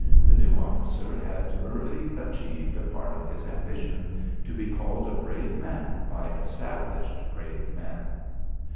The new officer had early achieved a part of his ambition to be called a brave man by established brave men.